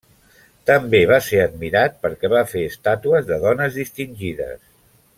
També va ser admirat perquè va fer estàtues de dones distingides.